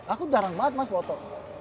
aku jarang banget mas foto